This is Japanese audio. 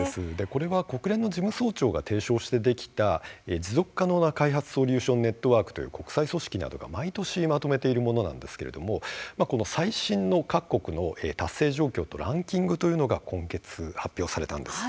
これは国連の事務総長が提唱してできた、持続可能な開発ソリューションネットワークという国際組織などが毎年まとめているものなんですけれど最新の各国の達成状況とランキングというのが今月発表されたんです。